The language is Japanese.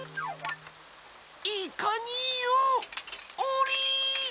いかによ！オリ！